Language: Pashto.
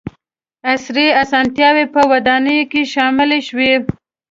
• عصري اسانتیاوې په ودانیو کې شاملې شوې.